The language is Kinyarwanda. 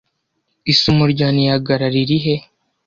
Isumo rya Niagara riri he